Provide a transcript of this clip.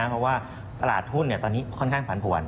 เพราะว่าตลาดหุ้นตอนนี้ค่อนข้างผันผวน